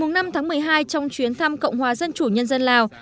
ngày năm tháng một mươi hai trong chuyến thăm cộng hòa dân chủ nhân dân lào